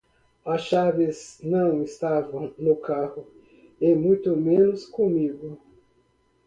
As chaves não estavam no carro e muito menos comigo.